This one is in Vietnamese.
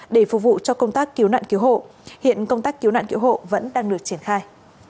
để phục vụ cho công tác cứu nạn cứu hộ hiện công tác cứu nạn cứu hộ vẫn đang được triển khai